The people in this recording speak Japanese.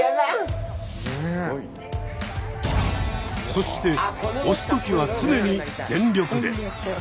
そして推す時は常に全力で。